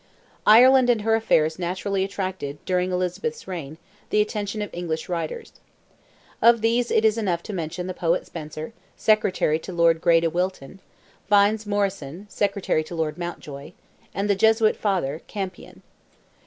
Ireland and her affairs naturally attracted, during Elizabeth's reign, the attention of English writers. Of these it is enough to mention the Poet Spenser, Secretary to Lord Grey de Wilton, Fynes Moryson, Secretary to Lord Mountjoy, and the Jesuit Father, Campian.